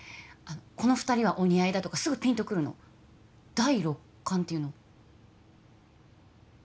この二人はお似合いだとかすぐピンとくるの第六感っていうの？